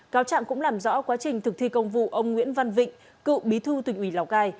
cáo trạng cũng làm rõ quá trình thực thi công vụ ông nguyễn văn vịnh cựu bí thư tỉnh ủy lào cai